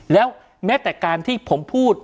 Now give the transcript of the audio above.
แล้วแม้แต่การที่ผมพูด